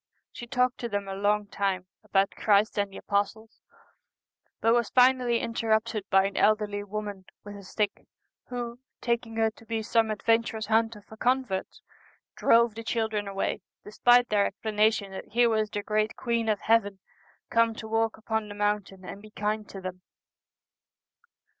She talked to them a long time about Christ and the apostles, but was finally interrupted by an elderly woman with a stick, who, taking her to be some adven turous hunter for converts, drove the children away, despite their explanation that here was the great Queen of Heaven come to walk upon the mountain and be kind to them.